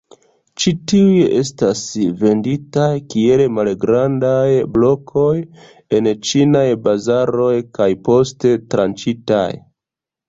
Ĉi tiuj estas venditaj kiel malgrandaj blokoj en ĉinaj bazaroj kaj poste tranĉitaj.